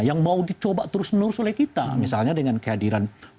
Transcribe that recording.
yang mau dicoba terus menerus oleh kita misalnya dengan kehadiran